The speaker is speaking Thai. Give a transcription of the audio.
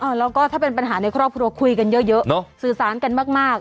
อ่าแล้วก็ถ้าเป็นปัญหาในครอบครัวคุยกันเยอะซื่อสารกันมาก